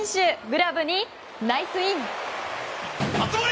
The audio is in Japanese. グラブにナイスイン！